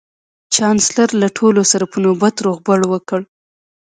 چانسلر له ټولو سره په نوبت روغبړ وکړ